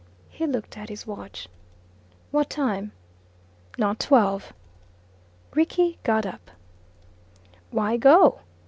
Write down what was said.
He looked at his watch. "What time?" "Not twelve." Rickie got up. "Why go?"